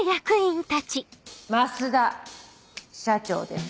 増田社長です。